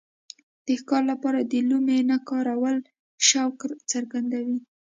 د ښکار لپاره د لومې نه کارول شوق څرګندوي.